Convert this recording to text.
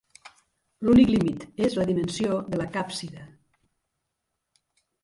L'únic límit és la dimensió de la càpsida.